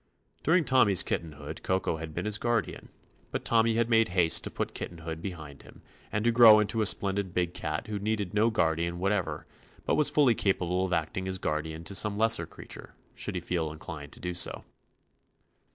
During Tommy's kittenhood Koko had been his guardian, but Tommy had made haste to put kittenhood be hind him and to grow into a splendid big cat who needed no guardian what ever, but was fully capable of acting as guardian to some lesser creature, should he feel inclined to do so.